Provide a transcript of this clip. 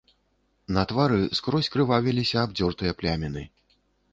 На твары скрозь крывавіліся абдзёртыя пляміны.